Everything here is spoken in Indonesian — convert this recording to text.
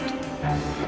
ya allah gimana ini